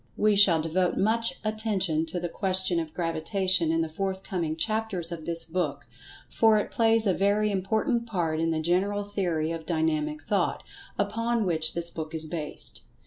We shall devote much attention to the question of Gravitation in the forthcoming chapters of this book, for it plays a very important part in the general theory of Dynamic Thought, upon which this book is based.